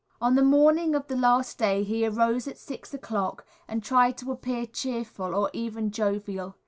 On the morning of the last day he arose at six o'clock, and tried to appear cheerful or even jovial.